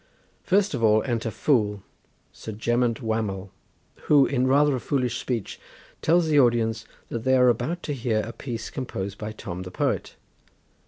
First of all enter Fool, Sir Jemant Wamal, who in rather a foolish speech tells the audience that they are about to hear a piece composed by Tom the poet.